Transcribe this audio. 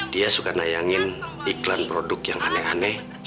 dia suka nayangin iklan produk yang aneh aneh